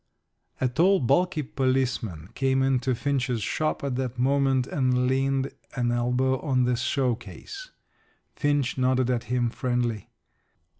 A tall, bulky policeman came into Finch's shop at that moment and leaned an elbow on the showcase. Finch nodded at him friendly.